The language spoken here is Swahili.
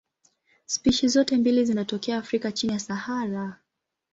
Spishi zote mbili zinatokea Afrika chini ya Sahara.